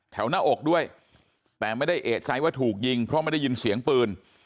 หน้าอกด้วยแต่ไม่ได้เอกใจว่าถูกยิงเพราะไม่ได้ยินเสียงปืน